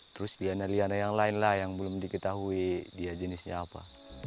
terus liana liana yang lain lah yang belum diketahui dia jenisnya apa